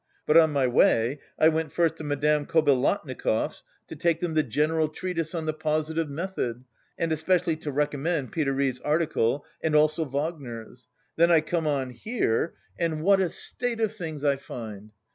But on my way I went first to Madame Kobilatnikov's to take them the 'General Treatise on the Positive Method' and especially to recommend Piderit's article (and also Wagner's); then I come on here and what a state of things I find!